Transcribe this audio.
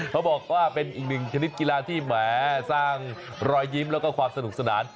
เขาบอกว่าเป็นอีกหนึ่งชนิดกีฬาที่แหมสร้างรอยยิ้มแล้วก็ความสนุกสนาน